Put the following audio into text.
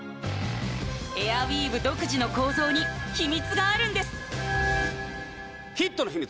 エアウィーヴ独自の構造に秘密があるんですヒットの秘密